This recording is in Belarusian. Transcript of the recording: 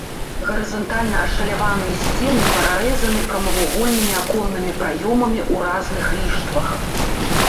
Гарызантальна ашаляваныя сцены прарэзаны прамавугольнымі аконнымі праёмамі ў разных ліштвах.